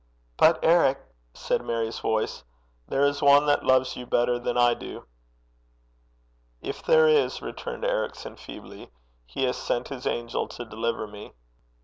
'But, Eric,' said Mary's voice, 'there is one that loves you better than I do.' 'If there is,' returned Ericson, feebly, 'he has sent his angel to deliver me.'